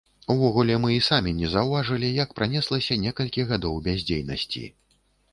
Увогуле, мы і самі не заўважылі як пранеслася некалькі гадоў бяздзейнасці.